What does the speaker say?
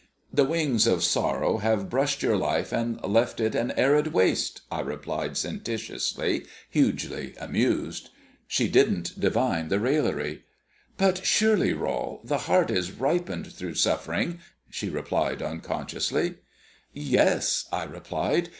"The Wings of Sorrow have brushed your life and left it an Arid Waste," I replied sententiously, hugely amused. She didn't divine the raillery. "But surely, Rol, the heart is ripened through suffering," she replied unconsciously. "Yes," I replied.